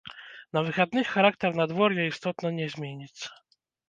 На выхадных характар надвор'я істотна не зменіцца.